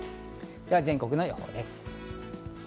では全国の予報です。